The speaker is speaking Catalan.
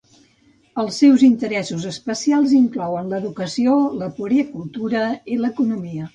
Els seus interessos especials inclouen l'educació, la puericultura i l'economia.